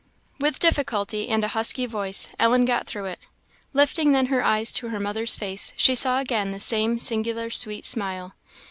With difficulty, and a husky voice, Ellen got through it. Lifting then her eyes to her mother's face, she saw again the same singular sweet smile.